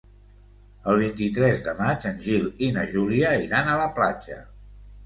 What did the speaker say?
El vint-i-tres de maig en Gil i na Júlia iran a la platja.